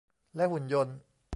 และหุ่นยนต์